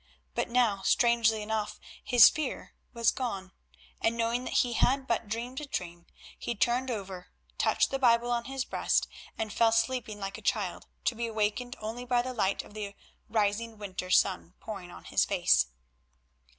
But now strangely enough his fear was gone, and, knowing that he had but dreamed a dream, he turned over, touched the Bible on his breast, and fell sleeping like a child, to be awakened only by the light of the rising winter sun pouring on his face.